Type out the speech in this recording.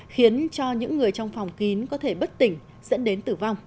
khiến cho những người trong phòng kín có thể bất tỉnh dẫn đến tử vong